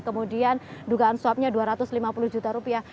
kemudian dugaan swabnya dua ratus lima puluh juta rupiah